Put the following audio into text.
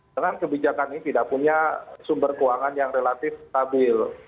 dengan kebijakan ini tidak punya sumber keuangan yang relatif stabil